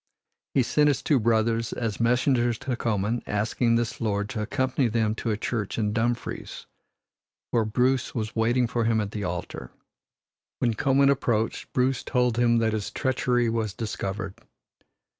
He sent his two brothers as messengers to Comyn, asking this lord to accompany them to a church in Dumfries, where Bruce was waiting for him at the altar. When Comyn approached, Bruce told him that his treachery was discovered.